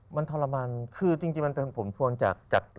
มันทรมานคือจริงมันเป็นผลพวงจาก